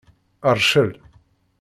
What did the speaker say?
Rcel.